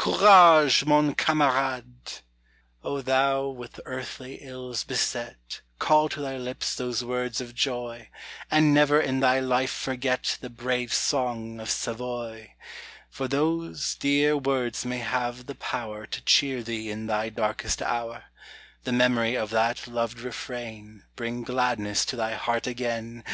courage, mon camarade! O thou, with earthly ills beset, Call to thy lips those words of joy, And never in thy life forget The brave song of Savoy! For those dear words may have the power To cheer thee in thy darkest hour; The memory of that loved refrain Bring gladness to thy heart again!